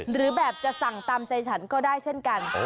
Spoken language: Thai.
หรือแบบจะสั่งตามใจฉันก็ได้เช่นกัน